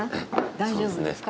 大丈夫ですか？